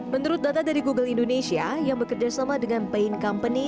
menurut data dari google indonesia yang bekerja sama dengan paying company